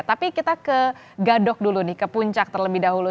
tapi kita ke gadok dulu nih ke puncak terlebih dahulu